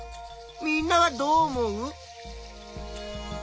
みんなはどう思う？